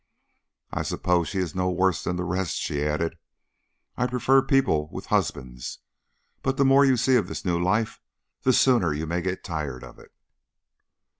"I suppose she is no worse than the rest," she added. "I prefer people with husbands, but the more you see of this new life the sooner you may get tired of it."